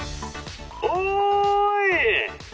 おい！